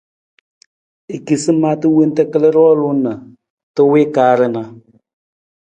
I kisi maata wonta kal roolung na ta wii kaar na.